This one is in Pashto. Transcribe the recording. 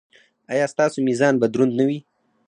ایا ستاسو میزان به دروند نه وي؟